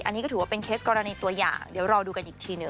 อันนี้ก็ถือว่าเป็นเคสกรณีตัวอย่างเดี๋ยวรอดูกันอีกทีหนึ่ง